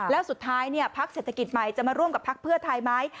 แล้วสุดท้ายพักเศรษฐกิจใหม่จะมาร่วมกับพักเพื่อไทยไหม